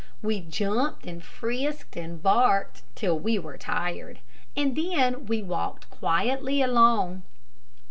We jumped, and frisked, and barked, till we were tired; and then we walked quietly along.